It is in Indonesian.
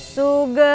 sre terus nikah